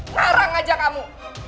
narang aja kamu